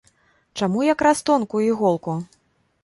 Чаму якраз тонкую іголку?